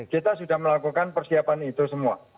kita sudah melakukan persiapan itu semua